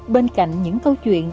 bên cạnh những câu chuyện